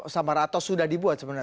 samarato sudah dibuat sebenarnya